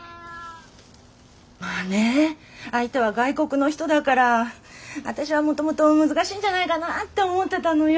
まあね相手は外国の人だから私はもともと難しいんじゃないかなって思ってたのよ。